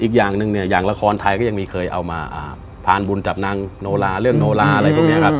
อีกอย่างหนึ่งเนี่ยอย่างละครไทยก็ยังมีเคยเอามาพานบุญกับนางโนลาเรื่องโนลาอะไรพวกนี้ครับ